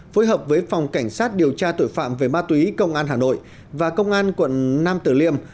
phối hợp với phòng cảnh sát điều tra tội phạm về ma túy công an hà nội và công an quận nam tử liêm